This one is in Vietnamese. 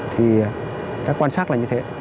thì các quan sát là như thế